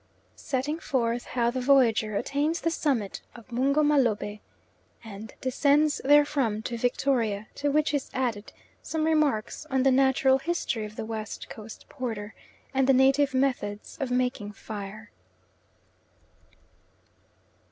Setting forth how the Voyager attains the summit of Mungo Mah Lobeh, and descends therefrom to Victoria, to which is added some remarks on the natural history of the West Coast porter, and the native methods of making fire.